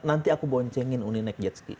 nanti aku boncengin uni naik jet ski